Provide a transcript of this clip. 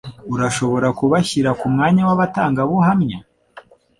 Urashobora kubashyira kumwanya wabatangabuhamya?